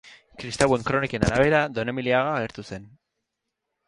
Kristauen kroniken arabera Donemiliaga agertu zen.